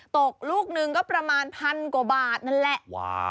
ตกลูกหนึ่งก็ประมาณพันกว่าบาทนั่นแหละ